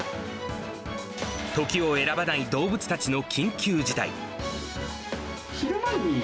時を選ばない動物たちの緊急事態。